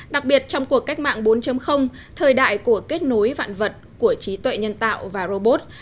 đặc biệt trong cuộc cách mạng bốn thời đại của kết nối vạn vật của trí tuệ nhân tạo và robot